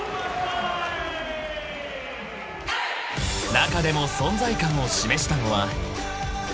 ［中でも存在感を示したのは］